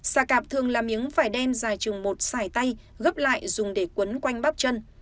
xà cạp thường là miếng vải đen dài chừng một sải tay gấp lại dùng để quấn quanh bắp chân